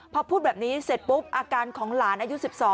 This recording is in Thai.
พอพูดแบบนี้เสร็จปุ๊บอาการของหลานอายุ๑๒